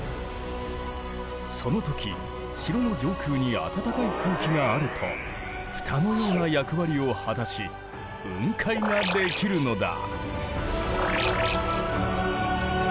その時城の上空に暖かい空気があると蓋のような役割を果たし雲海ができるのだ。